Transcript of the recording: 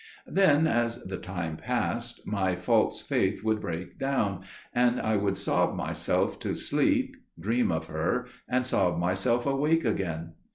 Then as the time passed, my false faith would break down, and I would sob myself to sleep, dream of her, and sob myself awake again.